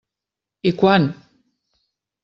I quan?